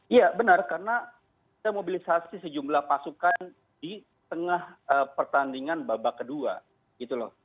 iya benar karena kita mobilisasi sejumlah pasukan di tengah pertandingan babak kedua gitu loh